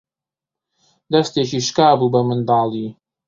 دەستێکی شکا بوو بە مناڵی